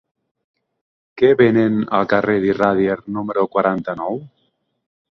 Què venen al carrer d'Iradier número quaranta-nou?